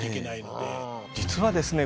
実はですね